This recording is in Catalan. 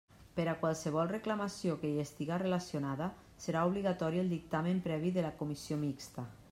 Per a qualsevol reclamació que hi estiga relacionada, serà obligatori el dictamen previ de la Comissió Mixta.